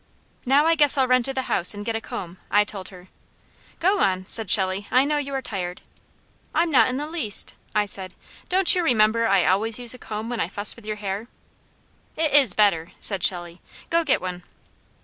"Now, I guess I'll run to the house and get a comb," I told her. "Go on," said Shelley. "I know you are tired." "I'm not in the least," I said. "Don't you remember I always use a comb when I fuss with your hair?" "It is better," said Shelley. "Go get one."